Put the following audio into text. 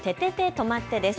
とまって！です。